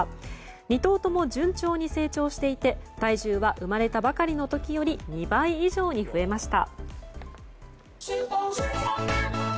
２頭とも順調に成長していて体重は生まれたばかりの時より２倍以上に増えました。